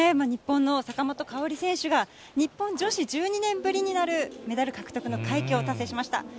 日本の坂本花織選手が、日本女子１２年ぶりになるメダル獲得の快挙を達成しました。